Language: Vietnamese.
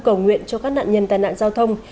cầu nguyện cho các nạn nhân tai nạn giao thông